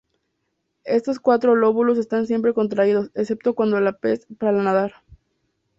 Estos cuatro lóbulos están siempre contraídos, excepto cuando el pez para de nadar.